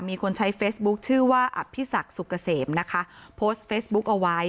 มีคนใช้เฟซบุ๊คชื่อว่าอภิษักสุกเกษมนะคะโพสต์เฟซบุ๊กเอาไว้